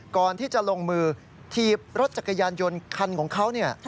ก่อนที่จะลงมือถีบรถจักรยานยนต์คันของเขา